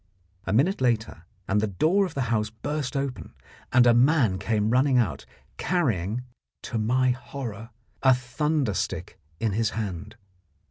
A minute later, and the door of the house burst open, and a man came running out, carrying, to my horror, a thunder stick in his hand.